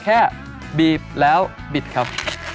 บีบแล้วบิดครับ